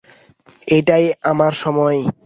এটাই আমার সময়।